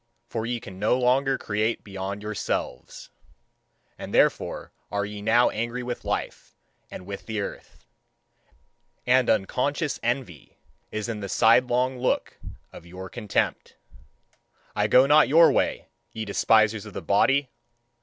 For ye can no longer create beyond yourselves. And therefore are ye now angry with life and with the earth. And unconscious envy is in the sidelong look of your contempt. I go not your way, ye despisers of the body!